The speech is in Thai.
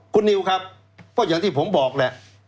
คุณนิวครับก็อย่างที่ผมบอกแหละ